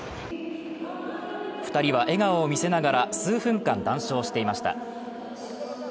２人は笑顔を見せながら数分間、談笑していました。